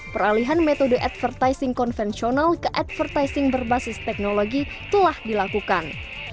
peralihan metode advertising konvensional ke advertising berbasis teknologi telah dilakukan